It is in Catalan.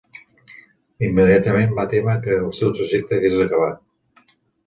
Immediatament va témer que el seu trajecte hagués acabat.